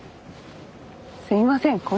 すいません